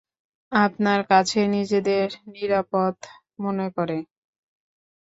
আপনার কাছে নিজেদের নিরাপদ মনে করে।